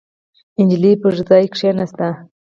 نجلۍ پر ژۍ کېناسته.